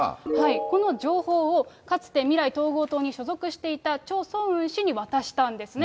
この情報をかつて、未来統合党に所属していたチョ・ソンウン氏に渡したんですね。